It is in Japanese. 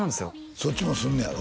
そっちもすんねやろ？